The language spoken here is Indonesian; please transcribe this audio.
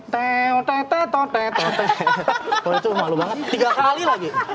kalau itu malu banget tiga kali lagi